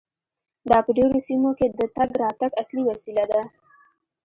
دا په ډیرو سیمو کې د تګ راتګ اصلي وسیله ده